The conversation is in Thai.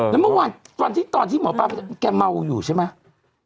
แล้วเมื่อวานตอนที่หมอป้าบอกแกเมาอยู่ใช่ไหม